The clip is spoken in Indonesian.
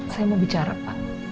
saya mau bicara pak